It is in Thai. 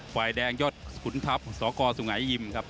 ฝ่ายแดงยอดขุนทัพสกสุงัยยิมครับ